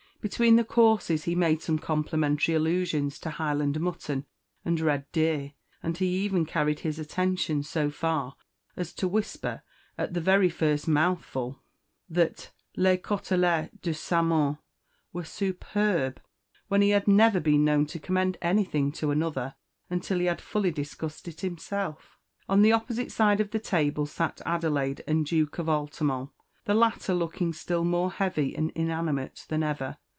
Between the courses he made some complimentary allusions to Highland mutton and red deer; and he even carried his attentions so far as to whisper, at the very first mouthful, that les côtellettes de saumon were superb, when he had never been known to commend anything to another until he had fully discussed it himself. On the opposite side of the table sat Adelaide and the Duke of Altamont, the latter looking still more heavy and inanimate than ever.